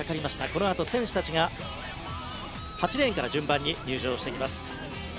このあと選手たちが８レーンから順番に入場していきます。